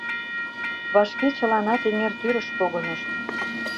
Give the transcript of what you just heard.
Вашке чыланат эҥер тӱрыш погынышт.